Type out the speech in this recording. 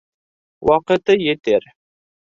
Ваҡыты етер.